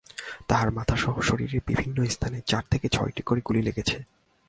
তাঁদের মাথাসহ শরীরের বিভিন্ন স্থানে চার থেকে ছয়টি করে গুলি লেগেছে।